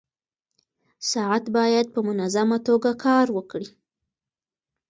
ساعت باید په منظمه توګه کار وکړي.